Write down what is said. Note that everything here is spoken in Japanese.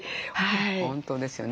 本当ですよね。